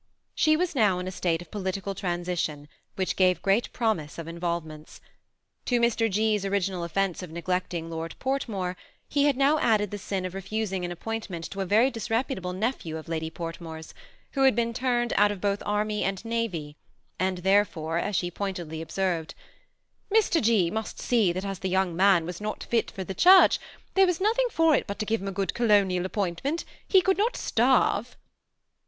She was now in a state of political transition, which gave great promise of involvements. To Mr. G.'s original offence of neglecting Lord Portmore, he had now added the sin of refusing an appointment to a very disreputable nephew of Lady Portmore's, vyho had been turned out of both army and navy, and, therefore, as she pointedly observed, " Mr. G. must see, that as THE SEMI ATTACHED COUPLE. 821 the young man was not fit for the church, there was nothing for it but to give him a good colonial appoint ment ; he could not starve."